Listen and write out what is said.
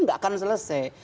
tidak akan selesai